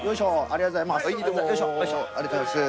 ありがとうございます。